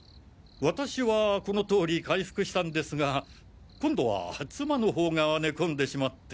私はこの通り回復したんですが今度は妻の方が寝込んでしまって。